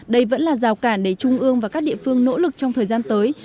đây vẫn là rào cản để trung ương và các địa phương nỗ lực trong thời gian tới